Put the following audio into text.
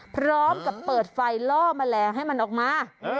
พร้อมกับเปิดไฟล่อแมลงให้มันออกมา